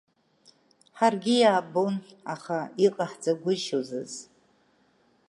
Ҳаргьы иаабон, аха иҟаҳҵагәышьозыз.